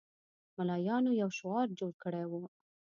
ملایانو یو شعار جوړ کړی وو.